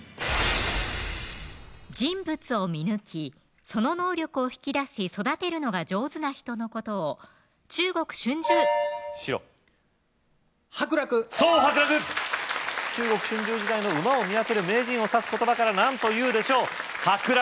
人物を見抜きその能力を引き出し育てるのが上手な人のことを中国春秋白伯楽そう伯楽中国春秋時代の馬を見分ける名人を指す言葉から何というでしょう伯楽